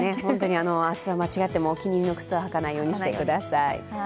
明日は間違ってもお気に入りの靴は履かないようにしてください。